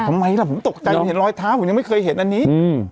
ทำไมล่ะผมตกใจมันเห็นรอยเท้าผมยังไม่เคยเห็นอันนี้อืม